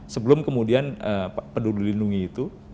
sebelum kemudian peduli lindungi itu